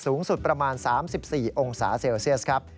สูงสุดประมาณ๓๔องศาเซลเซียสครับ